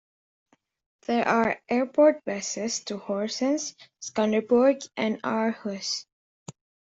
There are airport buses to Horsens, Skanderborg and Aarhus.